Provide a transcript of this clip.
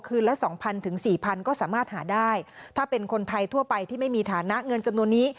คืนละ๒๐๐๐ถึง๔๐๐๐ก็สามารถหาได้ถ้าเป็นคนไทยทั่วไปที่ไม่มีฐานะเงินจนโน้นนี้